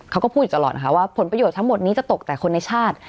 เขาก็พูดอยู่ตลอดนะคะว่าผลประโยชน์ทั้งหมดนี้จะตกแต่คนในชาติ